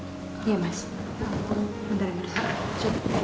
bentar ya mbak mernah